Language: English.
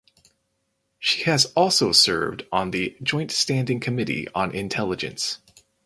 She has also served on the Joint Standing Committee on Intelligence.